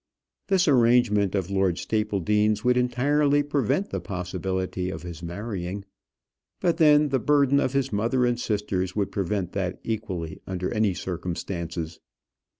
This arrangement of Lord Stapledean's would entirely prevent the possibility of his marrying; but then, the burden of his mother and sisters would prevent that equally under any circumstances.